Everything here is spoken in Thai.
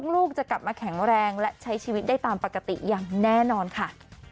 ลูกจะกลับมาแข็งแรงและใช้ชีวิตได้ตามปกติอย่างแน่นอนค่ะ